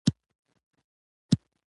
آیا په هغې باب تحقیق و سو؟